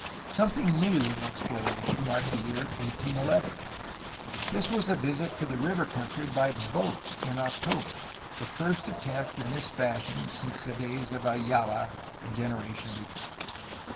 Something new in exploration marked the year 1811. This was a visit to the river country by boat in October, the first attempt in this fashion since the days of Ayala, a genera tion before.